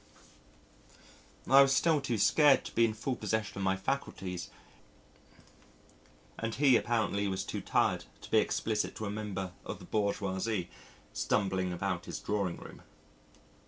I was still too scared to be in full possession of my faculties, and he apparently was too tired to be explicit to a member of the bourgeoisie, stumbling about his drawing room.